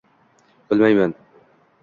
Bilmayman.